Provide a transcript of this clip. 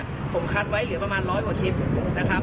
ผมคัดไว้เหลือประมาณร้อยกว่าคลิปนะครับ